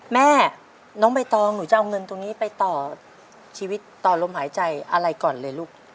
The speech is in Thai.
แม่น้องใบตองหนูจะเอาเงินตรงนี้ไปต่อชีวิตต่อลมหายใจอะไรก่อนเลยลูก